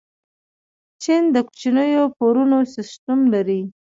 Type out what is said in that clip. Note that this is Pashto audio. چین د کوچنیو پورونو سیسټم لري.